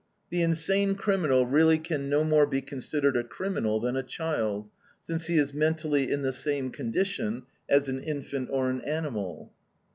"The insane criminal really can no more be considered a criminal than a child, since he is mentally in the same condition as an infant or an animal."